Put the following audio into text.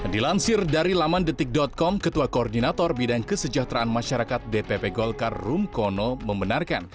dilansir dari laman detik com ketua koordinator bidang kesejahteraan masyarakat dpp golkar rum kono membenarkan